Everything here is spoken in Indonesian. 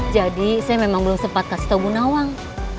jadi saya memang belum sempat kasih tahu bu nawang